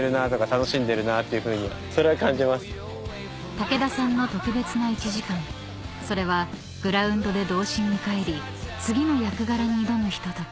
［武田さんの特別な１時間それはグラウンドで童心に返り次の役柄に挑むひととき］